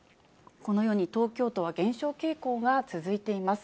このように、東京都は減少傾向が続いています。